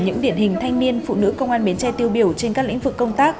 những điển hình thanh niên phụ nữ công an bến tre tiêu biểu trên các lĩnh vực công tác